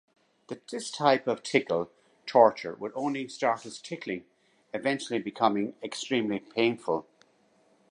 This type of tickle torture would only start as tickling, eventually becoming extremely painful.